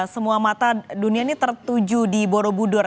semua mata dunia ini tertuju di borobudur